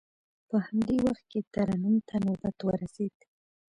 په همدې وخت کې ترنم ته نوبت ورسید.